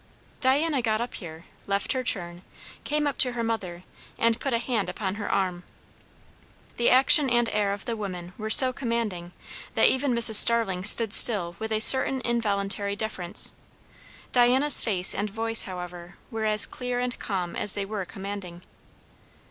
Diana got up here, left her churn, came up to her mother, and put a hand upon her arm. The action and air of the woman were so commanding, that even Mrs. Starling stood still with a certain involuntary deference. Diana's face and voice, however, were as clear and calm as they were commanding.